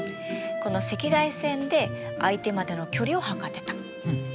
この赤外線で相手までの距離を測ってた。